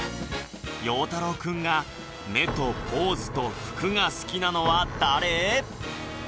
ようたろうくんが目とポーズと服が好きなのは誰？